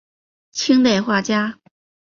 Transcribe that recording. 清代画家。